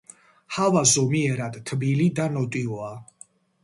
ჰავა ზომიერად თბილი და ნოტიოა.